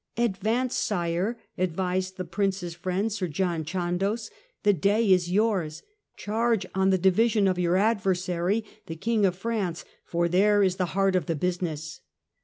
"Advance, Sire," advised the Prince's friend Sir John Chandos, " the day is yours ; charge on the division of your adversary the King of France, for there is the heart of the business."